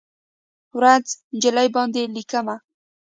ورځ، نجلۍ باندې لیکمه